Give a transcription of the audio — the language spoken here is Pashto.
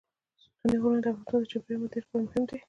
ستوني غرونه د افغانستان د چاپیریال د مدیریت لپاره مهم دي.